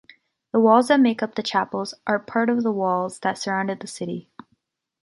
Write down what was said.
The walls that make up the chapels are part of the walls the surrounded the city.